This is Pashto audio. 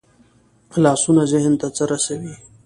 لاسونه ذهن ته څه رسوي